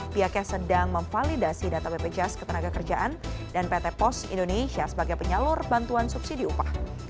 pihaknya sedang memvalidasi data bpjs ketenaga kerjaan dan pt pos indonesia sebagai penyalur bantuan subsidi upah